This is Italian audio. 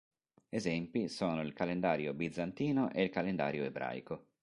Esempi sono il calendario bizantino e il calendario ebraico.